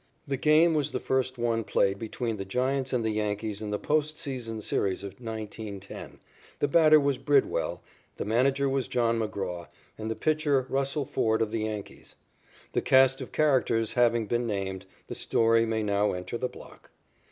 The game was the first one played between the Giants and the Yankees in the post season series of 1910, the batter was Bridwell, the manager was John McGraw, and the pitcher, Russell Ford of the Yankees. The cast of characters having been named, the story may now enter the block.